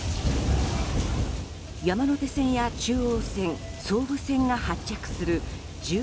山手線や中央線総武線が発着する１３、１４